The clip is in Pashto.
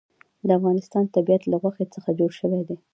د افغانستان طبیعت له غوښې څخه جوړ شوی دی.